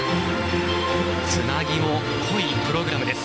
つなぎも濃いプログラム。